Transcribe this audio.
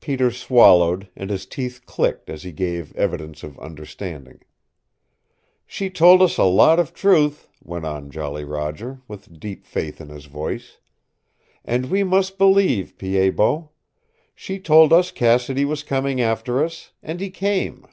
Peter swallowed and his teeth clicked as he gave evidence of understanding. "She told us a lot of truth," went on Jolly Roger, with deep faith in his voice "And we must believe, Pied Bot. She told us Cassidy was coming after us, and he came.